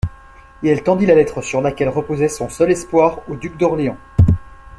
Et elle tendit la lettre, sur laquelle reposait son seul espoir, au duc d'Orléans.